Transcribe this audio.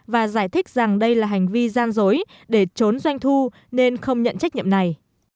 và giải thích rằng đây là hành vi gian dối để trốn doanh thu nên không nhận trách nhiệm này